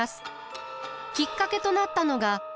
きっかけとなったのが。